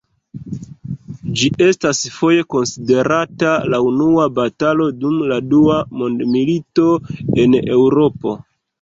Ĝi estas foje konsiderata la unua batalo dum la dua mondmilito en Eŭropo.